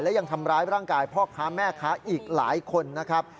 และยังทำร้ายร่างกายพ่อค้าแม่ค้าอีกหลายคนนะครับ